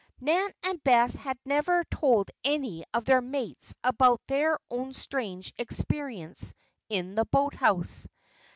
Nan and Bess had never told any of their mates about their own strange experience in the boathouse.